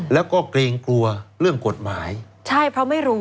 แล้วก็เกรงกลัวเรื่องกฎหมายใช่เพราะไม่รู้